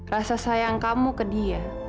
rasa sayang kamu ke dia